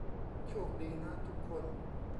โชคดีนะทุกคน